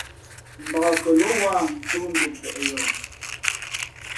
Mbak kαlō wāha ncōʼ dom pēʼ yoh.